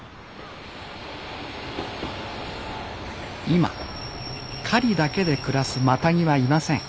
今狩りだけで暮らすマタギはいません。